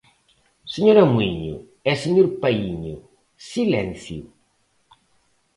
Señora Muíño e señor Paíño, silencio.